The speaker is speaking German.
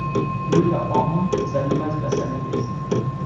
Julia Ormond sei niemals besser gewesen.